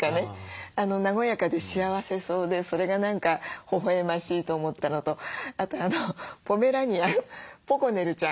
和やかで幸せそうでそれが何かほほえましいと思ったのとあとあのポメラニアンポコネルちゃん